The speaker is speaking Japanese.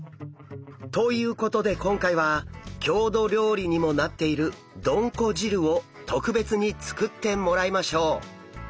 ということで今回は郷土料理にもなっているどんこ汁を特別に作ってもらいましょう！